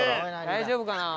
大丈夫かな？